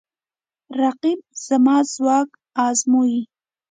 رقیب زما ځواک ازموي